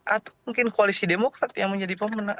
atau mungkin koalisi demokrat yang menjadi pemenang